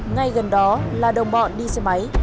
ngay gần đó là đồng bọn đi xe máy